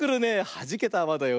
はじけたあわだよ。